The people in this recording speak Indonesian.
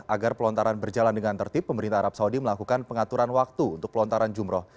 agar pelontaran berjalan dengan tertib pemerintah arab saudi melakukan pengaturan waktu untuk pelontaran jumroh